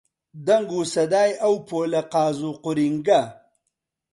دەنگ و سەدای ئەو پۆلە قاز و قورینگە